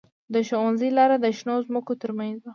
د ښوونځي لاره د شنو ځمکو ترمنځ وه